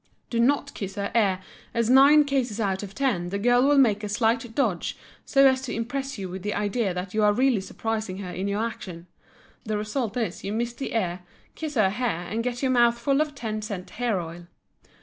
Do not kiss her ear as nine cases out of ten the girl will make a slight dodge so as to impress you with the idea that you are really surprising her in your action; the result is you miss the ear, kiss her hair and get your mouth full of ten cent hair oil.